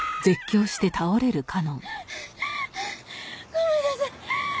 ごめんなさい。